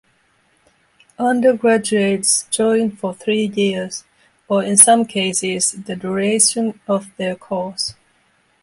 Undergraduates join for three years, or in some cases the duration of their course.